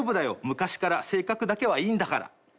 昔から性格だけはいいんだから！」。